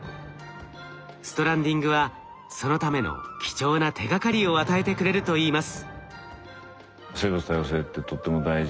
ストランディングはそのための貴重な手がかりを与えてくれるといいます。